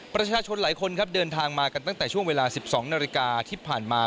ประชาชนหลายคนครับเดินทางมากันตั้งแต่ช่วงเวลา๑๒นาฬิกาที่ผ่านมา